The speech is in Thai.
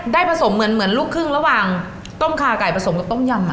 ผสมเหมือนลูกครึ่งระหว่างต้มคาไก่ผสมกับต้มยำ